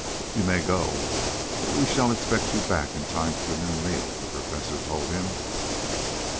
"You may go, but we shall expect you back in time for the noon meal," the Professor told him.